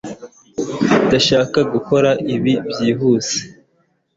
Ndashaka gukora ibi byihuse